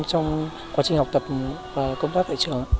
trong quá trình học tập và công tác tại trường